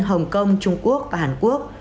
hồng kông trung quốc và hàn quốc